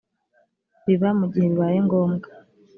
biba mu gihe bibaye ngombwa